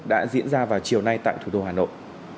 đã diễn ra vào chiều nay tại thủ đô hà nội